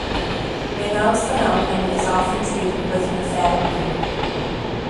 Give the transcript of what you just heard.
Raynaud's phenomenon is often treated with nifedipine.